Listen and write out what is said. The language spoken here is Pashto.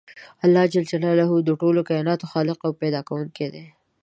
الله ج د ټولو کایناتو خالق او پیدا کوونکی دی .